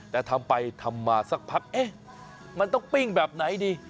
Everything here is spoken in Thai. แต่ทำไปทำมาสักพักเอ๊ะมันต้องปิ้งแบบไหนดี